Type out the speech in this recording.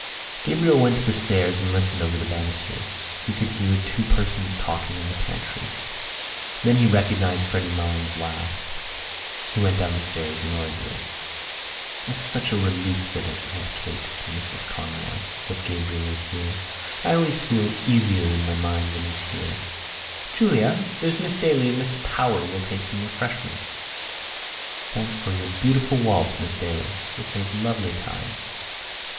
Gabriel went to the stairs and listened over the banisters. He could hear two persons talking in the pantry. Then he recognised Freddy Malins' laugh. He went down the stairs noisily. "It's such a relief," said Aunt Kate to Mrs Conroy, "that Gabriel is here. I always feel easier in my mind when he's here.... Julia, there's Miss Daly and Miss Power will take some refreshment. Thanks for your beautiful waltz, Miss Daly. It made lovely time."